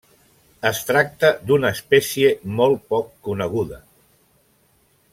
Es tracta d'una espècie molt poc coneguda.